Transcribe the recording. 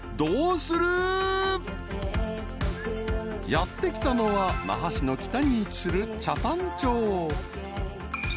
［やって来たのは那覇市の北に位置する］